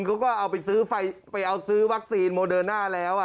เขาก็เอาไปซื้อไฟไปเอาซื้อวัคซีนโมเดอร์น่าแล้ว